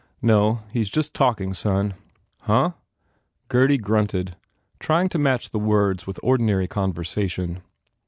"No. He s just talking, son." "Huh," Gurdy grunted, trying to match the words with ordinary conversation.